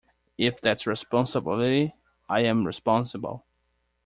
If that's responsibility, I am responsible.